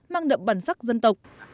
mang đậm bản sắc dân tộc